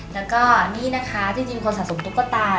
แล้วก็นี่นะคะจริงคนสะสมตุ๊กตา